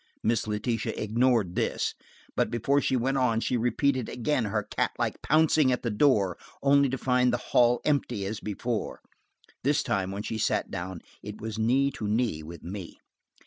Miss Letitia ignored this, but before she went on she repeated again her cat like pouncing at the door, only to find the hall empty as before. This time when she sat down it was knee to knee with me.